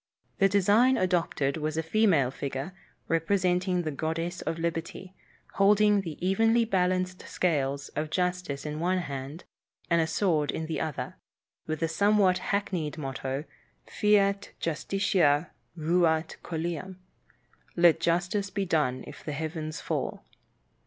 The design adopted was a female figure, representing the goddess of liberty, holding the evenly balanced scales of justice in one hand and a sword in the other, with the somewhat hackneyed motto, "Fiat justitia ruat coelum" ("Let justice be done if the heavens fall").